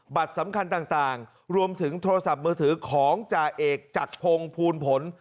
สำคัญต่างรวมถึงโทรศัพท์มือถือของจ่าเอกจักรพงศ์ภูลผล